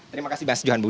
terima kasih mas johan budi